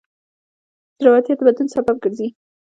زړورتیا د بدلون سبب ګرځي.